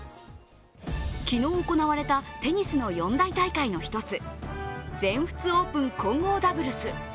昨日行われたテニスの四大大会の一つ、全仏オープン・混合ダブルス。